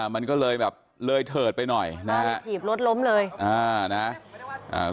มันก็เลยแบบเลยเถิดไปหน่อยนะป้าไปถีบรถล้มเลย